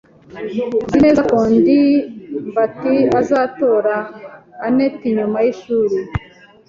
Nzi neza ko ndimbati azatora anet nyuma yishuri.